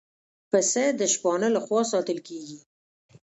پسه د شپانه له خوا ساتل کېږي.